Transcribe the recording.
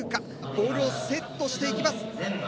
ボールをセットしていきます。